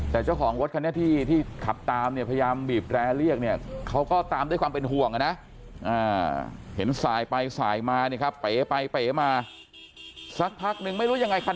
แต่เจ้าของรถคันนี้ที่ขับตามเนี่ยพยายามบีบแรเรียกเนี่ยเขาก็ตามด้วยความเป็นห่วงนะเห็นสายไปสายมาเนี่ยครับเป๋ไปเป๋มาสักพักนึงไม่รู้ยังไงคัน